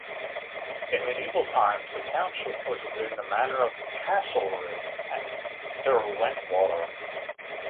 In medieval times the township was within the manor of Castlerigg and Derwentwater.